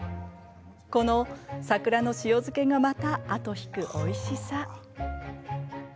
この桜の塩漬けがまた後引くおいしさ。